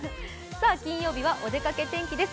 金曜日は「おでかけ天気」です。